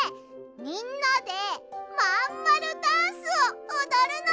みんなで「まんまるダンス」をおどるの。